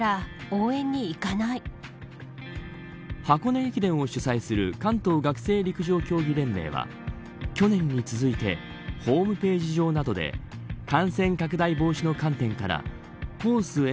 箱根駅伝を主催する関東学生陸上競技連盟は去年に続いてホームページ上などで感染拡大防止の観点からコース